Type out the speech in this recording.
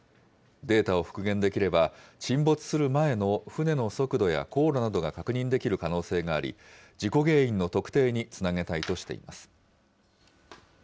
データを復元できれば、沈没する前の船の速度や航路などが確認できる可能性があり、事故原因の特定につなげたいとしています。